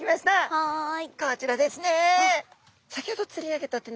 はい。